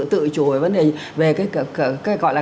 tự chủ về vấn đề về cái gọi là